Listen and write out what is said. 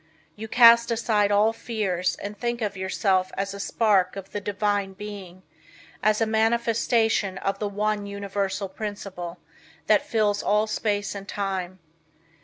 You cast aside all fears, and think of yourself as a spark of the Divine Being, as a manifestation of the "One Universal Principle" that fills all space and time.